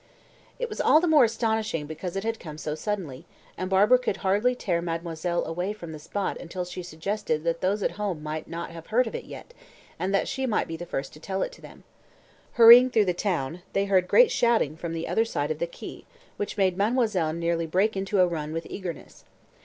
It was all the more astonishing because it had come so suddenly, and Barbara could hardly tear mademoiselle away from the spot until she suggested that those at home might not have heard of it yet, and that she might be the first to tell it to them. Hurrying through the town, they heard great shouting from the other side of the quay, which made mademoiselle nearly break into a run with eagerness.